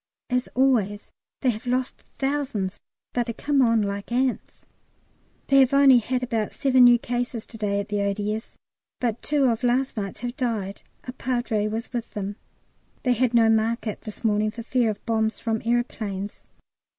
As always, they have lost thousands, but they come on like ants. They have only had about seven new cases to day at the O.D.S., but two of last night's have died. A Padre was with them. They had no market this morning, for fear of bombs from aeroplanes.